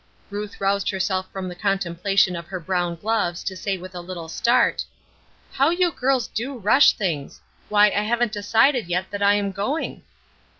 Ruth roused herself from the contemplation of her brown gloves to say with a little start: "How you girls do rush things. Why, I haven't decided yet that I am going."